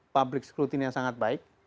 public scrutine yang sangat baik